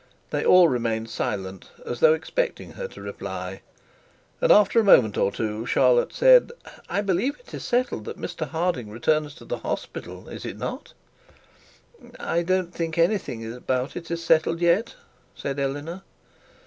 They all remained silent as though expecting her to reply, and after a moment or two, Charlotte said, 'I believe it is settled that Mr Harding returns to the hospital, is it not?' 'I don't think anything about it is settled yet,' said Eleanor.